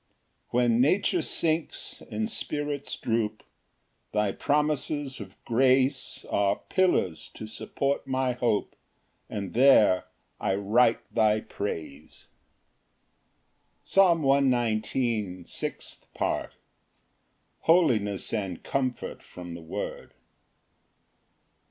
Ver. 28 49 175. 6 When nature sinks, and spirits droop, Thy promises of grace Are pillars to support my hope, And there I write thy praise. Psalm 119:06. Sixth Part. Holiness and comfort from the word.